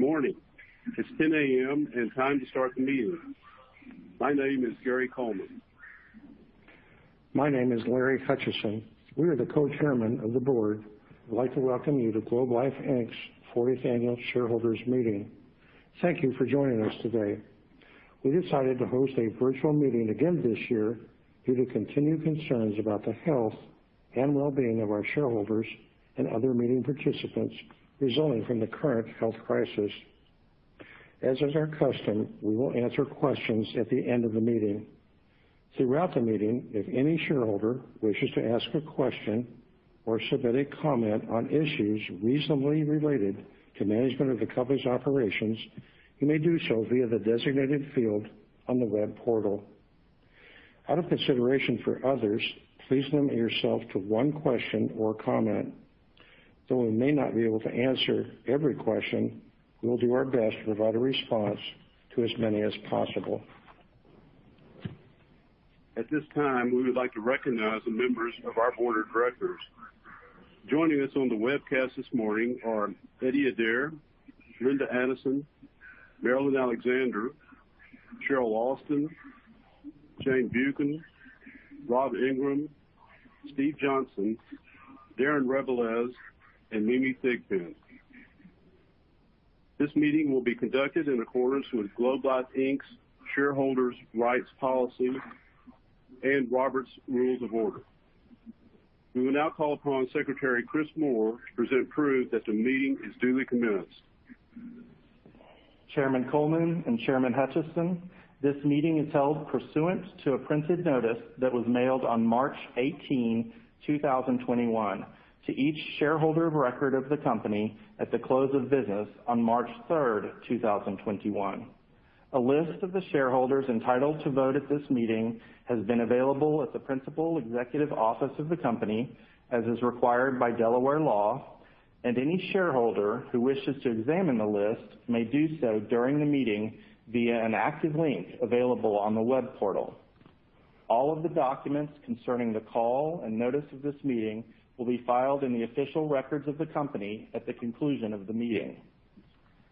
Good morning. It's 10:00 A.M. and time to start the meeting. My name is Gary Coleman. My name is Larry Hutchison. We are the co-chairmen of the board. We'd like to welcome you to Globe Life Inc.'s 40th Annual Shareholders Meeting. Thank you for joining us today. We decided to host a virtual meeting again this year due to continued concerns about the health and wellbeing of our shareholders and other meeting participants resulting from the current health crisis. As is our custom, we will answer questions at the end of the meeting. Throughout the meeting, if any shareholder wishes to ask a question or submit a comment on issues reasonably related to management of the company's operations, you may do so via the designated field on the web portal. Out of consideration for others, please limit yourself to one question or comment. Though we may not be able to answer every question, we will do our best to provide a response to as many as possible. At this time, we would like to recognize the members of our board of directors. Joining us on the webcast this morning are Eddie Adair, Linda Addison, Marilyn Alexander, Cheryl Alston, Jane Buchan, Rob Ingram, Steve Johnson, Darren Rebelez, and Mimi Thigpen. This meeting will be conducted in accordance with Globe Life Inc.'s Shareholders' Rights Policy and Robert's Rules of Order. We will now call upon Secretary Chris Moore to present proof that the meeting is duly commenced. Chairman Coleman and Chairman Hutchison, this meeting is held pursuant to a printed notice that was mailed on March 18, 2021, to each shareholder of record of the company at the close of business on March 3rd, 2021. A list of the shareholders entitled to vote at this meeting has been available at the principal executive office of the company, as is required by Delaware law, and any shareholder who wishes to examine the list may do so during the meeting via an active link available on the web portal. All of the documents concerning the call and notice of this meeting will be filed in the official records of the company at the conclusion of the meeting.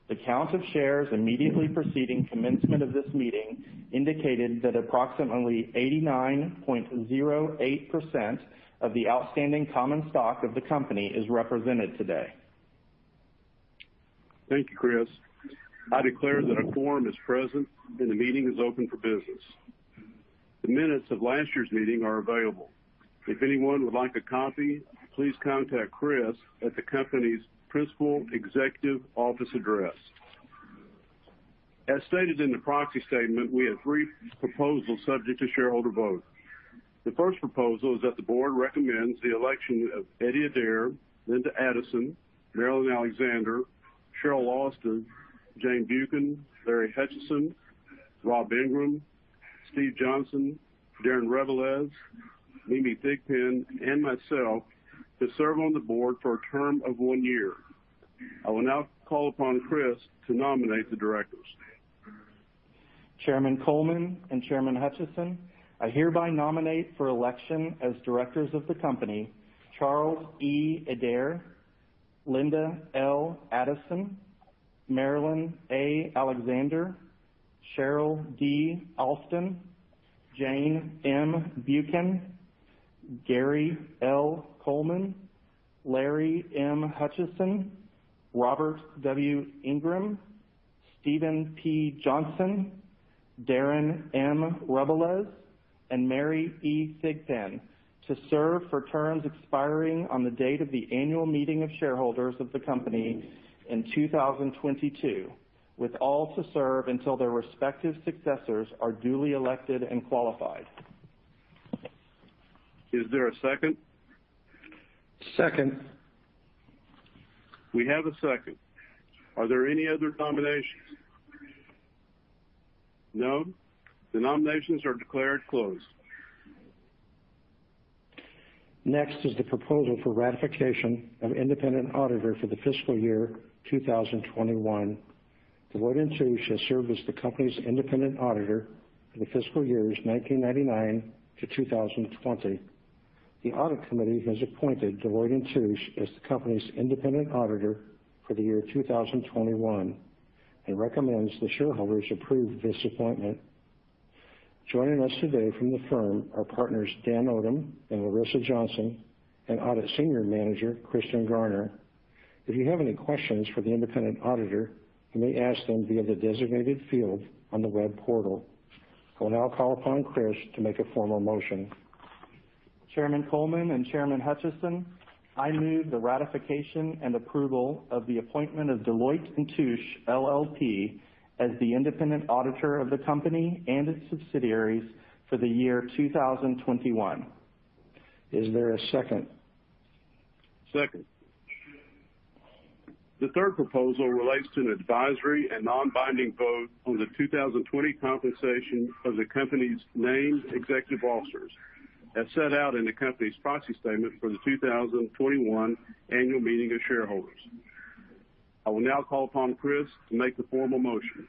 The count of shares immediately preceding commencement of this meeting indicated that approximately 89.08% of the outstanding common stock of the company is represented today. Thank you, Chris. I declare that a quorum is present and the meeting is open for business. The minutes of last year's meeting are available. If anyone would like a copy, please contact Chris at the company's principal executive office address. As stated in the proxy statement, we have three proposals subject to shareholder vote. The first proposal is that the board recommends the election of Eddie Adair, Linda Addison, Marilyn Alexander, Cheryl Alston, Jane Buchan, Larry Hutchison, Rob Ingram, Steve Johnson, Darren Rebelez, Mimi Thigpen, and myself to serve on the board for a term of one year. I will now call upon Chris to nominate the directors. Chairman Coleman and Chairman Hutchison, I hereby nominate for election as directors of the company, Charles E. Adair, Linda L. Addison, Marilyn A. Alexander, Cheryl D. Alston, Jane M. Buchan, Gary L. Coleman, Larry M. Hutchison, Robert W. Ingram, Steven P. Johnson, Darren M. Rebelez, and Mary E. Thigpen to serve for terms expiring on the date of the annual meeting of shareholders of the company in 2022, with all to serve until their respective successors are duly elected and qualified. Is there a second? Second. We have a second. Are there any other nominations? No? The nominations are declared closed. Next is the proposal for ratification of independent auditor for the fiscal year 2021. Deloitte & Touche has served as the company's independent auditor for the fiscal years 1999 to 2020. The audit committee has appointed Deloitte & Touche as the company's independent auditor for the year 2021 and recommends the shareholders approve this appointment. Joining us today from the firm are partners Dan Odom and Larissa Johnson, and audit senior manager Christian Garner. If you have any questions for the independent auditor, you may ask them via the designated field on the web portal. I will now call upon Chris to make a formal motion. Chairman Coleman and Chairman Hutchison, I move the ratification and approval of the appointment of Deloitte & Touche LLP as the independent auditor of the company and its subsidiaries for the year 2021. Is there a second? Second. The third proposal relates to an advisory and non-binding vote on the 2020 compensation of the company's named executive officers, as set out in the company's proxy statement for the 2021 annual meeting of shareholders. I will now call upon Chris to make the formal motion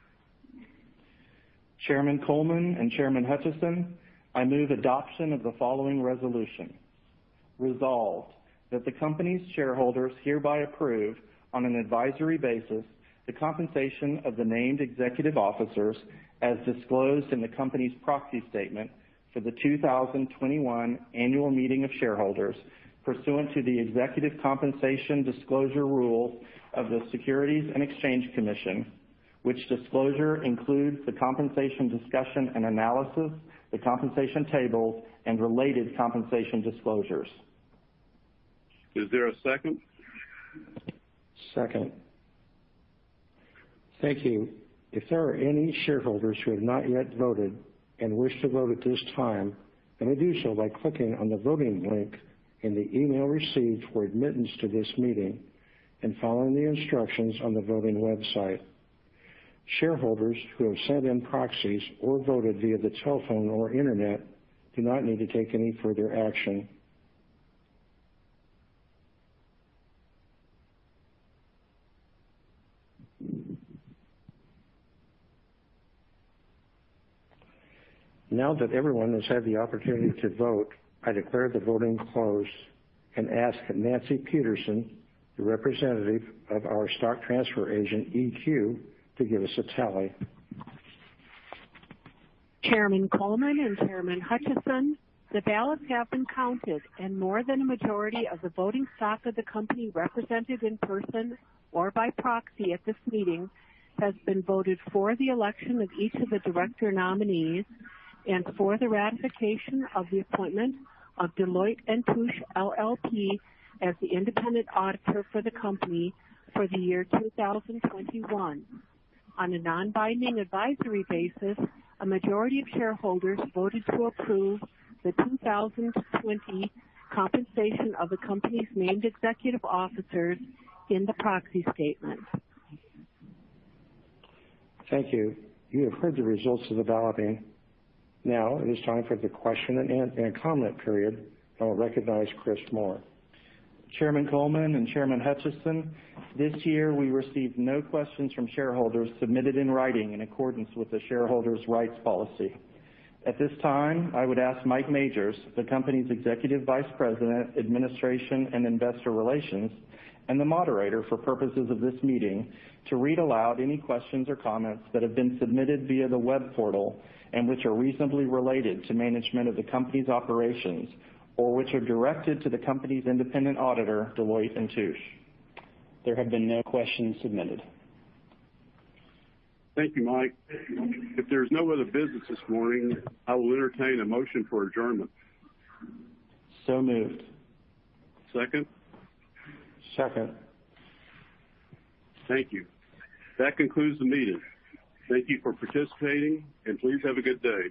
Chairman Coleman and Chairman Hutchison, I move adoption of the following resolution. Resolved, that the company's shareholders hereby approve, on an advisory basis, the compensation of the named executive officers as disclosed in the company's proxy statement for the 2021 annual meeting of shareholders pursuant to the Executive Compensation Disclosure Rules of the Securities and Exchange Commission, which disclosure includes the compensation discussion and analysis, the compensation tables, and related compensation disclosures. Is there a second? Second. Thank you. If there are any shareholders who have not yet voted and wish to vote at this time, they may do so by clicking on the voting link in the email received for admittance to this meeting and following the instructions on the voting website. Shareholders who have sent in proxies or voted via the telephone or internet do not need to take any further action. Now that everyone has had the opportunity to vote, I declare the voting closed and ask Nancy Peterson, the representative of our stock transfer agent, EQ, to give us a tally. Chairman Coleman and Chairman Hutchison, the ballots have been counted, more than a majority of the voting stock of the company represented in person or by proxy at this meeting has been voted for the election of each of the director nominees and for the ratification of the appointment of Deloitte & Touche LLP as the independent auditor for the company for the year 2021. On a non-binding advisory basis, a majority of shareholders voted to approve the 2020 compensation of the company's named executive officers in the proxy statement. Thank you. You have heard the results of the balloting. It is time for the question and comment period. I will recognize Chris Moore. Chairman Coleman and Chairman Hutchison, this year we received no questions from shareholders submitted in writing in accordance with the Shareholders' Rights Policy. At this time, I would ask Mike Majors, the company's Executive Vice President, Administration and Investor Relations, and the moderator for purposes of this meeting, to read aloud any questions or comments that have been submitted via the web portal and which are reasonably related to management of the company's operations or which are directed to the company's independent auditor, Deloitte & Touche. There have been no questions submitted. Thank you, Mike. If there's no other business this morning, I will entertain a motion for adjournment. Moved. Second? Second. Thank you. That concludes the meeting. Thank you for participating, and please have a good day.